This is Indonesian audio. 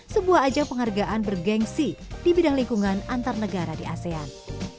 sebuah ajang penghargaan bergensi di bidang lingkungan antar negara di asean